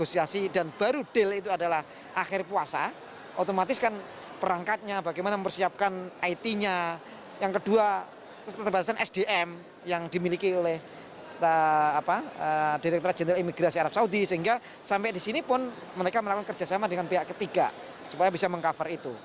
supaya bisa meng cover itu